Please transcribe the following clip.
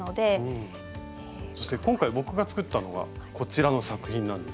そして今回僕が作ったのがこちらの作品なんですが。